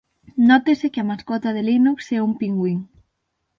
Nótese que a mascota de Linux é un pingüín.